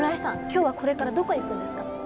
今日はこれからどこへ行くんですか？